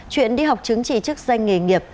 chuyện đi học chứng chỉ trước danh nghề nghiệp